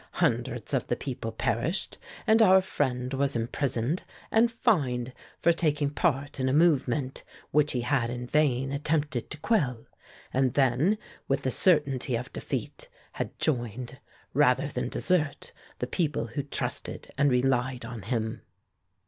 Hundreds of the people perished, and our friend was imprisoned and fined for taking part in a movement, which he had in vain attempted to quell, and then, with the certainty of defeat, had joined, rather than desert the people who trusted and relied on him."